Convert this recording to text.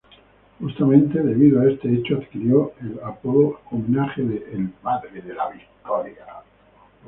Justamente, debido a este hecho, adquirió el apodo-homenaje de ""El Padre de la Victoria"".